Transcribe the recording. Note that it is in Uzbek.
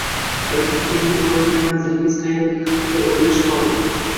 Balki keyingi boradigan joyingiz qayerligi haqida o’ylash lozim.